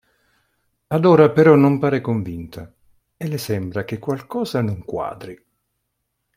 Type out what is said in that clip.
Adora però non pare convinta e le sembra che qualcosa non quadri.